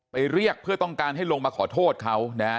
เรียกเพื่อต้องการให้ลงมาขอโทษเขานะฮะ